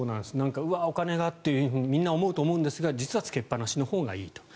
うわあ、お金がとみんな思うと思うんですが実はつけっぱなしのほうがいいと。